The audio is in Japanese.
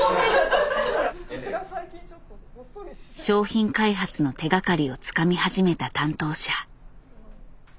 商品開発の手がかりをつかみ始めた担当者。